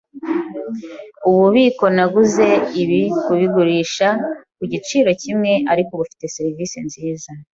Ububiko naguze ibi kubigurisha ku giciro kimwe, ariko bufite serivisi nziza.